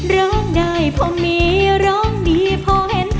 ร้องได้พอมีร้องดีพอเห็น